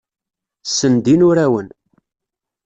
Ssendin urawen.